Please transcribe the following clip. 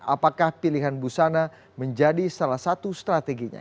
apakah pilihan busana menjadi salah satu strateginya